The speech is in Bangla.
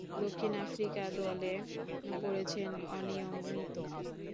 দক্ষিণ আফ্রিকা দলে হয়ে পড়েছেন অনিয়মিত।